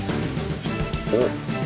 おっ。